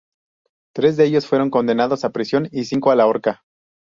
Tres de ellos fueron condenados a prisión y cinco a la horca.